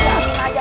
menurut si diu